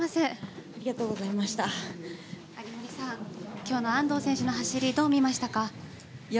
きょうの安藤選手の走りどう見ましたか？